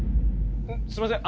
すいません